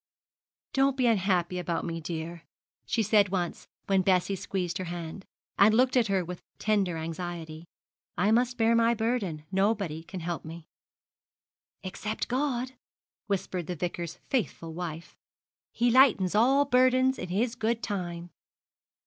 'Don't be unhappy about me, dear,' she said once when Bessie squeezed her hand, and looked at her with tender anxiety; 'I must bear my burden. Nobody can help me.' 'Except God,' whispered the Vicar's faithful wife. 'He lightens all burdens, in His good time.'